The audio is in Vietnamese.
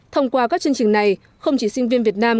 thông qua các chương trình này không chỉ sinh viên việt nam